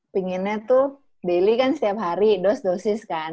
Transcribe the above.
pinginnya tuh daily kan setiap hari dos dosis kan